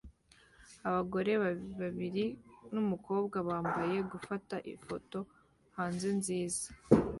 Abagore babiri numukobwa bambaye gufata ifoto hanze nziza